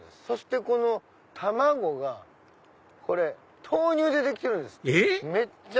そしてこの卵が豆乳でできてるんですって。